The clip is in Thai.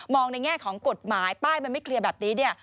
ในแง่ของกฎหมายป้ายมันไม่เคลียร์แบบนี้เนี่ย